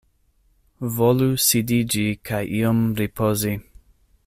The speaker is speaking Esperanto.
Volu sidiĝi kaj iom ripozi.